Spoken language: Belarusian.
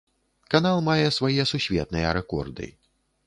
Канал мае свае сусветныя рэкорды.